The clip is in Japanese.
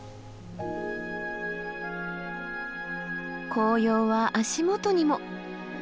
紅葉は足元にも。